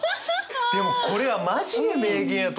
でもこれはマジで名言やと思います。